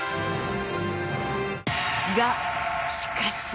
がしかし。